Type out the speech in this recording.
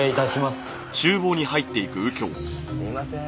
すいませーん。